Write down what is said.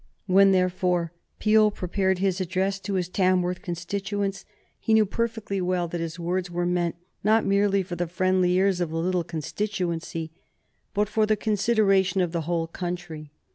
When, therefore, Peel prepared his address to his Tamworth constituents he knew perfectly well that his words were meant, not merely for the friendly ears of the little constituency, but for the consideration of the whole country.